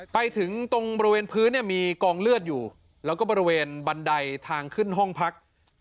ไปถึงตรงบริเวณพื้นเนี่ยมีกองเลือดอยู่แล้วก็บริเวณบันไดทางขึ้นห้องพัก